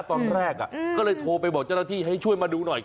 ตอนแรกก็เลยโทรไปบอกเจ้าหน้าที่ให้ช่วยมาดูหน่อย